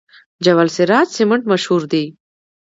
جبل السراج سمنټ مشهور دي؟